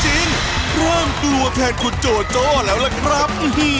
เริ่มกลัวแทนคุณโจโจ้แล้วล่ะครับ